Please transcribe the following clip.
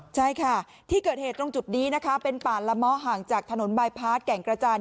ใช่ค่ะที่เกิดเหตุตรงจุดนี้นะคะเป็นป่านละม้อห่างจากถนนบายพาร์ทแก่งกระจาน